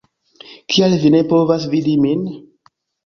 Kial vi ne povas vidi min?